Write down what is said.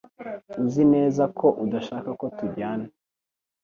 Uzi neza ko udashaka ko tujyana